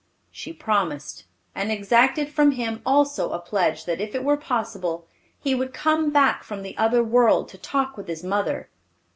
She promised, and exacted from him also a pledge that if it were possible, he would come back from the other world to talk with his mother.